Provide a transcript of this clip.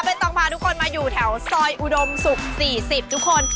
ต้องพาทุกคนมาอยู่แถวซอยอุดมศุกร์๔๐ทุกคน